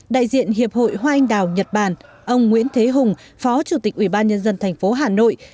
đại diện hiệp hội hoa anh đào nhật bản ông nguyễn thế hùng phó chủ tịch ủy ban nhân dân thành phố hà nội